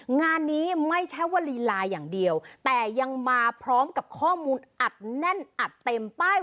งานนี้ไม่ใช่ว่าลีลาอย่างเดียวแต่ยังมาพร้อมกับข้อมูลอัดแน่นอัดเต็มป้าย